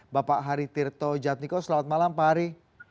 bapak hari tirto jatmiko selamat malam pak hari